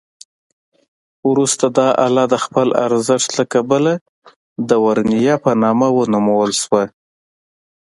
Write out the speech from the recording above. وروسته دا آله د خپل ارزښت له کبله د ورنیه په نامه ونومول شوه.